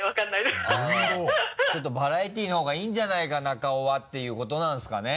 ちょっとバラエティーの方がいいんじゃないか中尾はっていうことなんですかね？